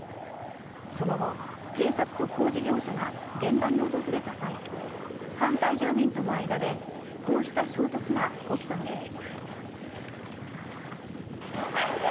その後、警察と工事業者が現場に訪れた際、反対住民との間でこうした衝突が起きたのです。